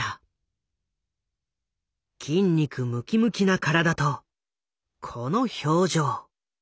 筋肉ムキムキな体とこの表情。